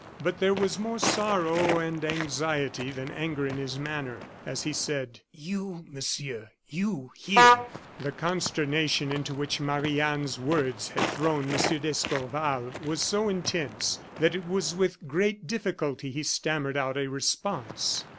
But there was more sorrow and anxiety than anger in his manner, as he said: "You, Monsieur, you here!" The consternation into which Marie Anne's words had thrown M. d'Escorval was so intense that it was with great difficulty he stammered out a response.